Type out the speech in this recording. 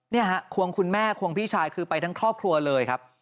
เนี่ยฮะควงคุณแม่ควงพี่ชายคือไปทั้งครอบครัวเลยครับ